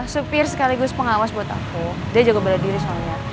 supir sekaligus pengawas buat aku dia jaga badan diri soalnya